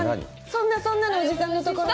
そんなそんなのおじさんのところ。